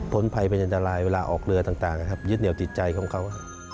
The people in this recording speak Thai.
พ้นภัยเป็นอันดรายเวลาออกเรือต่างยึดเหนียวติดใจของเขา